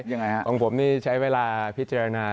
ยังไงฮะของผมนี่ใช้เวลาพิจารณา